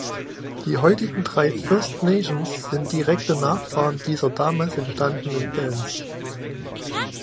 Die heutigen drei First Nations sind direkte Nachfahren dieser damals entstanden Bands.